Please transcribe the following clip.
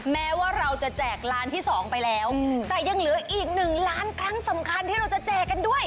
แม้ว่าเราจะแจกล้านที่๒ไปแล้วแต่ยังเหลืออีกหนึ่งล้านครั้งสำคัญที่เราจะแจกกันด้วย